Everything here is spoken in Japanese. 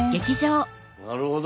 なるほど！